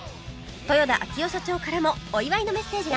豊田章男社長からもお祝いのメッセージが